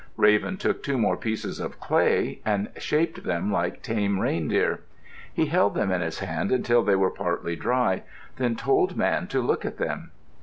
Raven took two more pieces of clay and shaped them like tame reindeer. He held them in his hand until they were partly dry, then told Man to look at them.